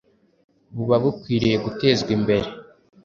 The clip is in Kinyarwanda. buba bukwiriye gutezwa imbere.